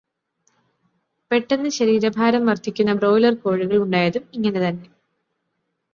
പെട്ടെന്ന് ശരീരഭാരം വർദ്ധിക്കുന്ന ബ്രോയ്ലർ കോഴികൾ ഉണ്ടായതും ഇങ്ങനെ തന്നെ.